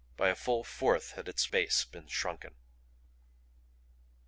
By a full fourth had its base been shrunken.